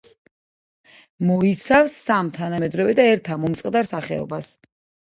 მოიცავს სამ თანამედროვე და ერთ ამომწყდარ სახეობას.